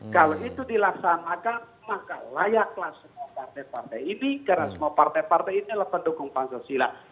kalau itu dilaksanakan maka layaklah semua partai partai ini karena semua partai partai ini adalah pendukung pancasila